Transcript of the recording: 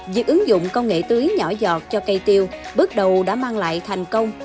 việc ứng dụng công nghệ tưới nhỏ giọt cho cây tiêu bước đầu đã mang lại thành công